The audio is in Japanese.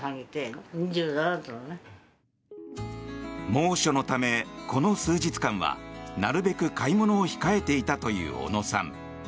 猛暑のため、この数日間はなるべく買い物を控えていたという小野さん。